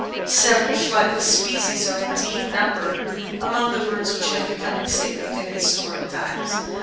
Several flightless species are indeed numbered among the birds which have become extinct within historic times.